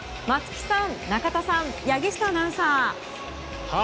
松木さん、中田さん柳下アナウンサー。